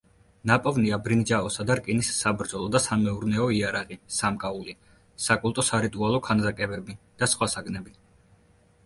ნაპოვნია ბრინჯაოსა და რკინის საბრძოლო და სამეურნეო იარაღი, სამკაული, საკულტო-სარიტუალო ქანდაკებები და სხვა საგნები.